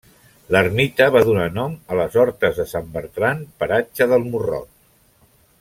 L'ermita va donar nom a les Hortes de Sant Bertran, paratge del Morrot.